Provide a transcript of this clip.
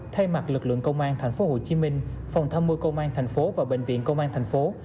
thay mặt lực lượng công an tp hcm phòng thăm mưu công an tp hcm và bệnh viện công an tp hcm